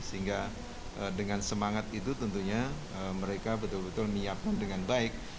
sehingga dengan semangat itu tentunya mereka betul betul menyiapkan dengan baik